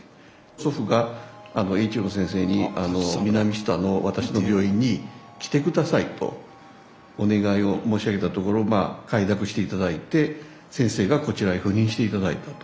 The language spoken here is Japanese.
祖父が栄一郎先生に南知多の私の病院に来て下さいとお願いを申し上げたところまあ快諾して頂いて先生がこちらへ赴任して頂いたと。